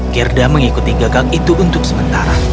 gerda mengikuti gagak itu untuk sementara